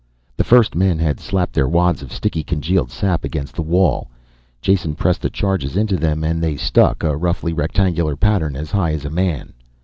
The first men had slapped their wads of sticky congealed sap against the wall. Jason pressed the charges into them and they stuck, a roughly rectangular pattern as high as a man.